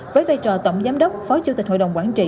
với vai trò tổng giám đốc phó chủ tịch hội đồng quản trị